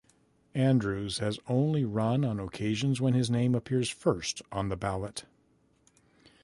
Andrews has only run on occasions when his name appears first on the ballot.